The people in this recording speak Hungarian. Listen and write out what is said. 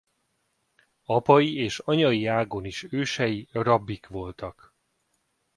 Apai és anyai ágon is ősei rabbik voltak.